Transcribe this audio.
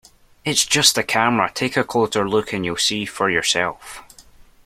It's just a camera, take a closer look and you'll see for yourself.